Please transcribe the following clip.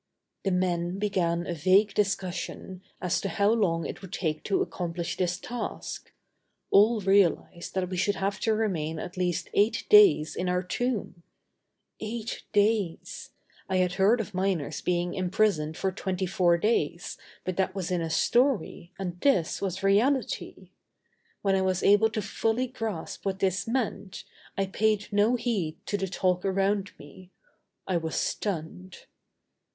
The men began a vague discussion as to how long it would take to accomplish this task. All realized that we should have to remain at least eight days in our tomb. Eight days! I had heard of miners being imprisoned for twenty four days, but that was in a story and this was reality. When I was able to fully grasp what this meant, I paid no heed to the talk around me. I was stunned.